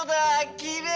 きれい！